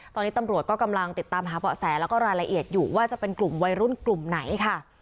ตอนนี้ตำรวจก็กำลังติดตามหาเบาะแสแล้วก็รายละเอียดอยู่ว่าจะเป็นกลุ่มวัยรุ่นกลุ่มไหนค่ะ